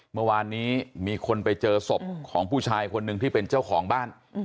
เมื่อวานนี้มีคนไปเจอศพของผู้ชายคนหนึ่งที่เป็นเจ้าของบ้าน